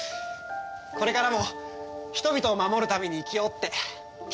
これからも人々を守るために生きようって。